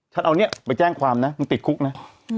เอาเนี่ยไปแจ้งความนะมึงติดคุกนะ